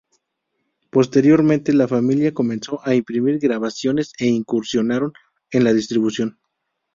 Posteriormente, la familia comenzó a imprimir grabaciones e incursionaron en la distribución.